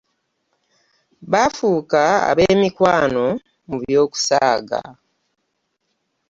Baafuuka abemikwano mu byo kusaaga.